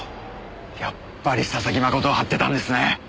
やっぱり佐々木真人を張ってたんですね。